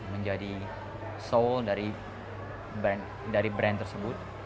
menjadi soul dari brand tersebut